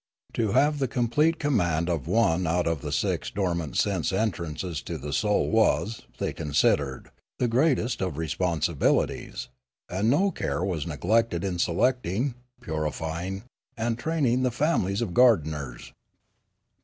To have the My Education Continued 263 complete command of one out of the six dominant sense entrances to the soul was, they considered, the greatest of responsibilities, and no care was neglected in selecting, purifying, and training the families of gardeners.